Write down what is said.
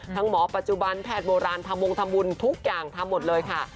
หมอปัจจุบันแพทย์โบราณทำวงทำบุญทุกอย่างทำหมดเลยค่ะ